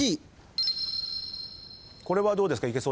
これはどうですか？